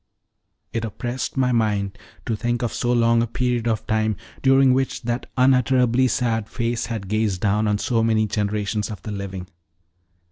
It oppressed my mind to think of so long a period of time during which that unutterably sad face had gazed down on so many generations of the living.